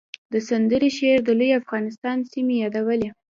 د سندرې شعر د لوی افغانستان سیمې یادولې